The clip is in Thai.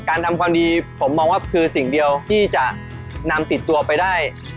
ทำความดีผมมองว่าคือสิ่งเดียวที่จะนำติดตัวไปได้